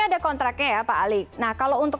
ada kontraknya ya pak ali nah kalau untuk